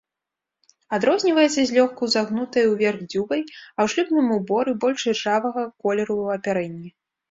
Адрозніваецца злёгку загнутай уверх дзюбай, а ў шлюбным уборы больш іржавага колеру ў апярэнні.